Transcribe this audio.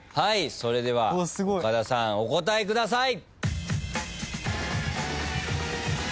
それでは岡田さんお答えください。